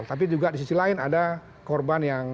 tapi juga di sisi lain ada korban yang